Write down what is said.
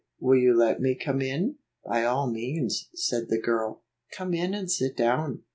"Will you let me come in?" " By all means," said the girl. "Come in and sit down.